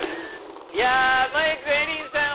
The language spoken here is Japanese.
いや舞くんエリンさん